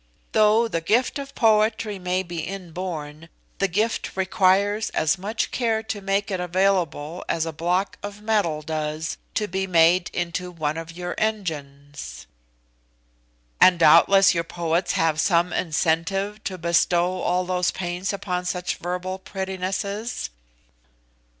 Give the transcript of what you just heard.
Though the gift of poetry may be inborn, the gift requires as much care to make it available as a block of metal does to be made into one of your engines." "And doubtless your poets have some incentive to bestow all those pains upon such verbal prettinesses?"